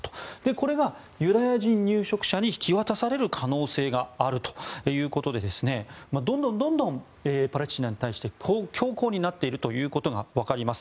これがユダヤ人入植者に引き渡される可能性があるということでどんどんパレスチナに対して強硬になっているということがわかります。